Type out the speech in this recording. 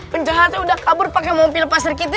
penjahatnya udah kabur pakai mobil pasar kita